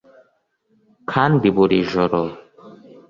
kandi buri joro